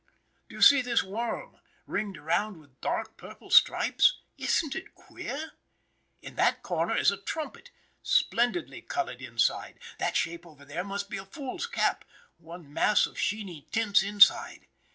Do see this worm, ringed around with dark purple stripes. Isn't it queer? In that corner is a trumpet, splendidly colored inside. That shape over there must be a fool's cap, one mass of sheeny tints inside.